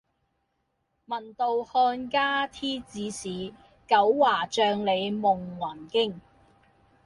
聞道漢家天子使，九華帳里夢魂驚。